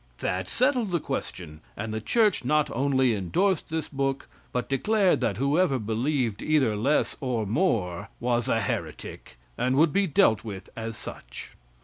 That settled the question, and the church not only indorsed this book but declared that whoever believed either less or more was a heretic and would be dealt with as such.